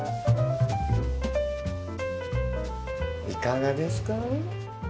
いかがですか？